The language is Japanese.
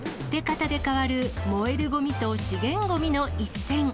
捨て方で変わる燃えるごみと資源ごみの一線。